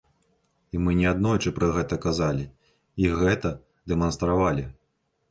І мы неаднойчы пра гэта казалі і гэта дэманстравалі.